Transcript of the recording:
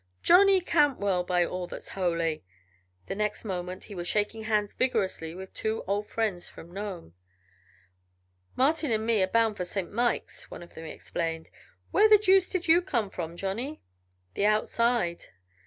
"Johnny Cantwell, by all that's holy!" The next moment he was shaking hands vigorously with two old friends from Nome. "Martin and me are bound for Saint Mikes," one of them explained. "Where the deuce did you come from, Johnny?" "The 'outside.'